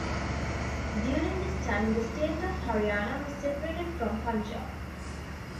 During this time, the state of Haryana was separated from Punjab.